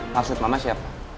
maksud mama siapa